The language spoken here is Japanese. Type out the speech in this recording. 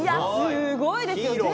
すごいですよ。